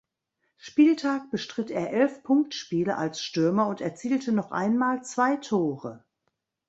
Spieltag bestritt er elf Punktspiele als Stürmer und erzielte noch einmal zwei Tore.